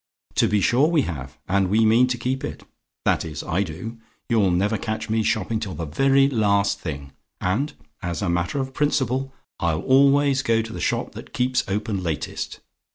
To be sure we have; and we mean to keep it. That is, I do. You'll never catch me shopping till the very last thing; and as a matter of principle I'll always go to the shop that keeps open latest.